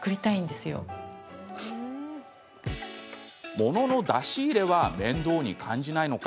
ものの出し入れは面倒に感じないのか。